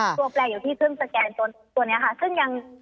ตัวแปลงจะอยู่ที่เครื่องสแกนตัวนี้ค่ะ